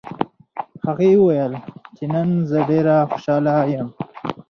هغې وویل چې نن زه ډېره خوشحاله یم